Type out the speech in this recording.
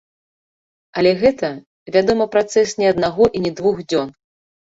Але гэта, вядома, працэс не аднаго і не двух дзён.